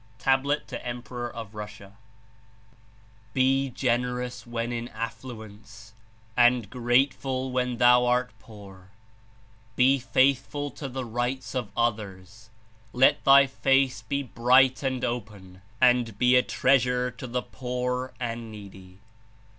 (Tab. to Em peror of Russia.) . "Be generous when in affluence and grateful when thou art poor. Be faithful to the rights of others. Let thy face be bright and open, and be a treasure to the poor and needy.